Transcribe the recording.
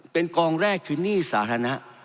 เป็นกองแรกคือหนี้สาธารณะ